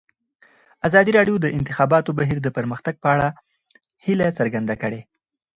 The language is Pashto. ازادي راډیو د د انتخاباتو بهیر د پرمختګ په اړه هیله څرګنده کړې.